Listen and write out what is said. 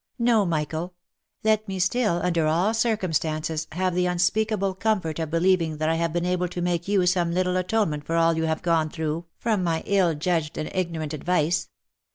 No, Michael ! let me still, under all circumstances, have the unspeakable comfort of believing that I have been able to make you some little atonement for all you have gone through from my ill judged and ignorant advice.